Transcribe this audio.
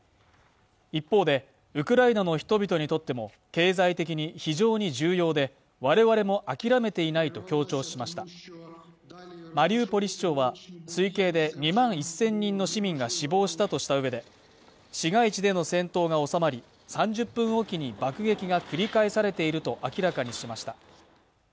一方でウクライナの人々にとっても経済的に非常に重要で我々も諦めていないと強調しましたマリウポリ市長は推計で２万１０００人の市民が死亡したとしたうえで市街地での戦闘が収まり３０分おきに爆撃が繰り返されていると明らかにしました